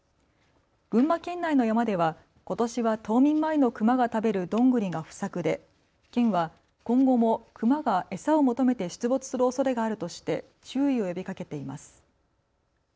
群馬県内の山ではことしは冬眠前のクマが食べるドングリが不作で県は今後もクマが餌を求めて出没するおそれがあるとして注意を呼びかけています。